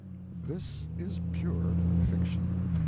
This is pure fiction.